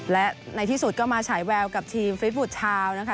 และในที่สุดก็มาฉายแววกับทีมฟิตบุตรชาวนะคะ